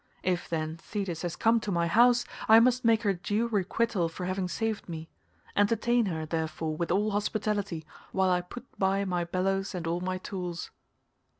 If, then, Thetis has come to my house I must make her due requital for having saved me; entertain her, therefore, with all hospitality, while I put by my bellows and all my tools."